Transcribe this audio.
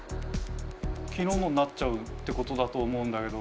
「昨日のになっちゃう」ってことだと思うんだけど。